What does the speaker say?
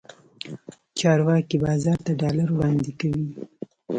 چارواکي بازار ته ډالر وړاندې کوي.